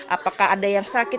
apakah ada yang sakit